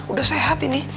udah sehat ini